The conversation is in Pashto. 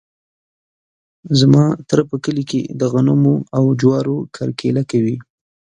زما تره په کلي کې د غنمو او جوارو کرکیله کوي.